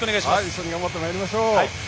一緒に頑張っていきましょう。